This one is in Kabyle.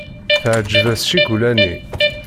Teɛjeb-as ccikula-nni.